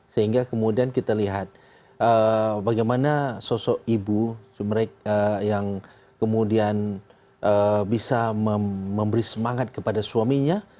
sehingga kemudian kita lihat bagaimana sosok ibu mereka yang kemudian bisa memberi semangat kepada suaminya